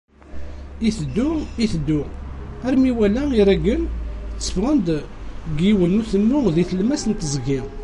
Itteddu, itteddu armi iwala iraggen tteﬀɣen-d seg yiwen n utemmu di tlemmast n teẓgi.